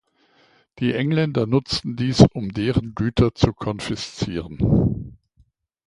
Die Engländer nutzten dies, um deren Güter zu konfiszieren.